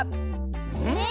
えっ？